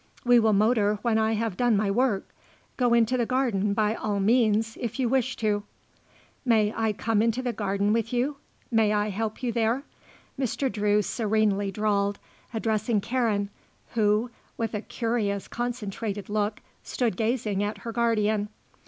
"We will motor when I have done my work. Go into the garden, by all means, if you wish to." "May I come into the garden with you? May I help you there?" Mr. Drew serenely drawled, addressing Karen, who, with a curious, concentrated look, stood gazing at her guardian.